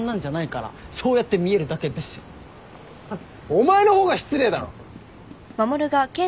お前の方が失礼だろ！